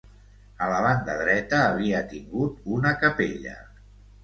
A la banda dreta havia tingut una capella.